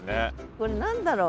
これ何だろう？